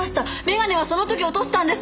眼鏡はその時に落としたんです。